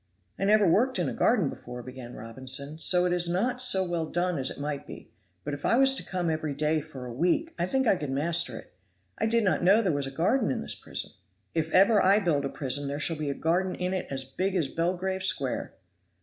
"I never worked in a garden before," began Robinson, "so it is not so well done as it might be, but if I was to come every day for a week, I think I could master it. I did not know there was a garden in this prison. If ever I build a prison there shall be a garden in it as big as Belgrave Square."